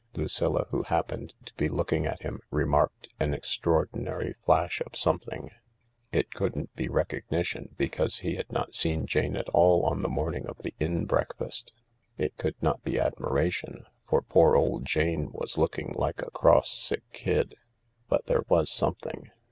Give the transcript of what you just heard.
Lucilla, who happened to be looking at him, remarked an extraordinary flash of some thing. It couldn't be recognition, because he had not seen Jane at all on the morning of the inn breakfast. It could not be admiration, for poor old Jane was looking like a cross, sick kid. But there was something.